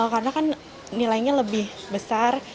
karena kan nilainya lebih besar